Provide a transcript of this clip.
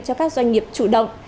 cho các doanh nghiệp chủ động